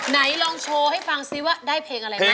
ไหนลองโชว์ให้ฟังซิว่าได้เพลงอะไรนะ